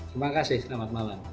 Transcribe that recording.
terima kasih selamat malam